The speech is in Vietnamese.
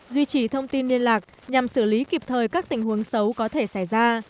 duy trì thông tin liên lạc nhằm xử lý kịp thời các tình huống xấu có thể xảy ra